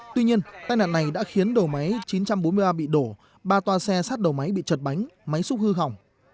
tuy nhiên tai nạn này đã khiến đầu máy chín trăm bốn mươi ba bị đổ ba toa xe sát đầu máy bị chật bánh máy xúc hư hỏng